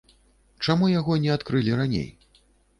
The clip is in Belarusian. Чаму яго не адкрылі раней?